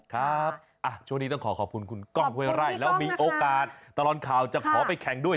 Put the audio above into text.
ครับช่วงนี้ต้องขอขอบคุณคุณกล้องห้วยไร่แล้วมีโอกาสตลอดข่าวจะขอไปแข่งด้วย